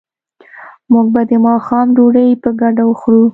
موږ به د ماښام ډوډۍ په ګډه وخورو